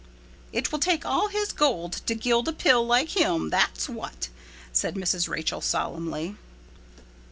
"It will take all his gold to gild a pill like him, that's what," said Mrs. Rachel solemnly.